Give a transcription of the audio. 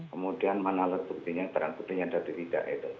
kemudian mana alat buktinya terang buktinya ada di tiga itu